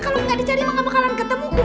kalau nggak dicari mau nggak bakalan ketemu